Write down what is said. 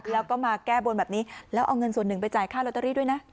แล้วก็มาแก้บนแบบนี้แล้วเอาเงินส่วนหนึ่งไปจ่ายค่าลอตเตอรี่ด้วยนะ